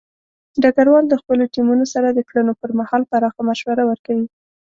ډګروال د خپلو ټیمونو سره د کړنو پر مهال پراخه مشوره ورکوي.